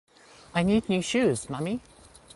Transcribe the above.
I need new shoes, mommy!